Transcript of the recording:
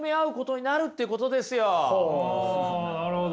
なるほど。